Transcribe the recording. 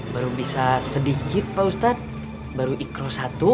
baru bisa sedikit pak ustadz baru ikro satu